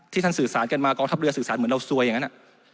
ท่านสื่อสารกันมากองทัพเรือสื่อสารเหมือนเราซวยอย่างนั้น